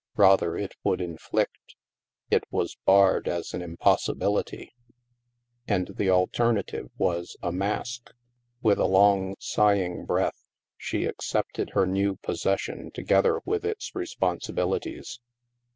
Rather, it would inflict It was barred as an im possibility. And the alternative was a mask ! With a long sighing breath, she accepted her new possession together with its responsibilities.